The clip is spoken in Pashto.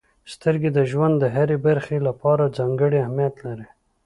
•سترګې د ژوند د هرې برخې لپاره ځانګړې اهمیت لري.